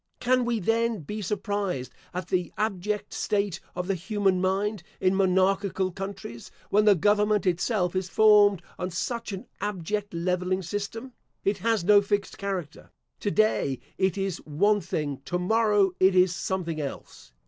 Can we then be surprised at the abject state of the human mind in monarchical countries, when the government itself is formed on such an abject levelling system? It has no fixed character. To day it is one thing; to morrow it is something else.